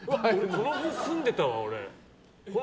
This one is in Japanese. この辺住んでたわ、俺。